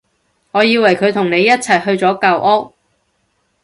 我以為佢同你一齊去咗舊屋